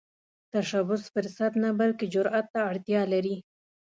تشبث فرصت نه، بلکې جرئت ته اړتیا لري